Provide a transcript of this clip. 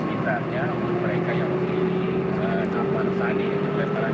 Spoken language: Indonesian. ibi setelah lontar jumrah dilakukan lalu apa aktivitas jemaah haji asal indonesia yang saat ini masih berada di sana